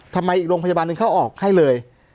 ทำไมอีกโรงพยาบาลนึงเข้าออกให้เลย